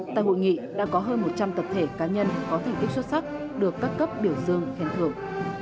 tại hội nghị đã có hơn một trăm linh tập thể cá nhân có thành tích xuất sắc được các cấp biểu dương khen thưởng